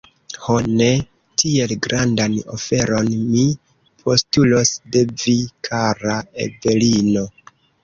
Ho, ne tiel grandan oferon mi postulos de vi, kara Evelino!